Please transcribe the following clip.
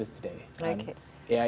pertama perusahaan ai